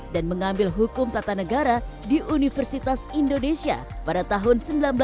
dan mengambil hukum tata negara di universitas indonesia pada tahun seribu sembilan ratus delapan puluh dua